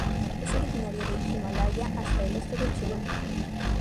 Es originario del Himalaya hasta el este de China.